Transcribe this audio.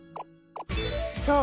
そう。